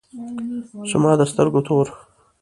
زما د سترگو تور